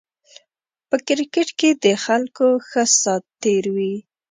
په کرکېټ کې د خلکو ښه سات تېر وي